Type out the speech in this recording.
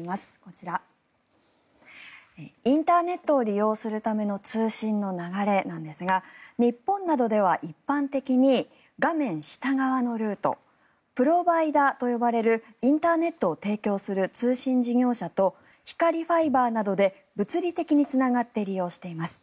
こちら、インターネットを利用するための通信の流れなんですが日本などでは一般的に画面下側のルートプロバイダと呼ばれるインターネットを提供する通信事業者と光ファイバーなどで物理的につながって利用しています。